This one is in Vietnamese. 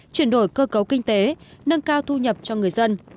chuyển đổi cơ cấu kinh tế nâng cao thu nhập cho người dân